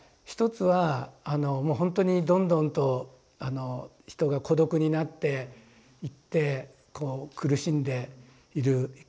一つはもうほんとにどんどんと人が孤独になっていってこう苦しんでいる。